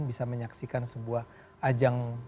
bisa menyaksikan sebuah ajang